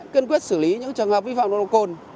kiên quyết xử lý những trường hợp vi phạm nồng độ cồn